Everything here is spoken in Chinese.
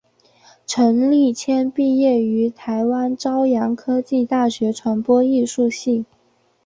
陈立谦毕业于台湾朝阳科技大学传播艺术系。